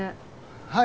はい。